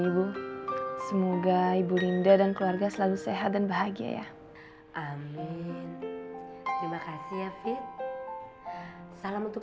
ibu semoga ibu linda dan keluarga selalu sehat dan bahagia ya amin terima kasih ya fit salam untuk